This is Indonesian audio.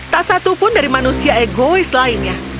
tak satu pun dari manusia egois lainnya